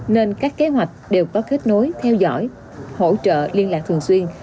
nên các kế hoạch đều có kết nối theo dõi hỗ trợ liên lạc thường xuyên